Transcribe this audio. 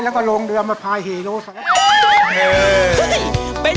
แล้วก็ลงเดือนมาพายหิโรส